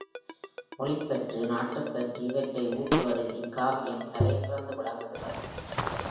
மொழிப்பற்று, நாட்டுப்பற்று இவற்றை ஊட்டுவதில் இக்காவியம் தலை சிறந்து விளங்குகிறது.